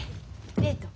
デート？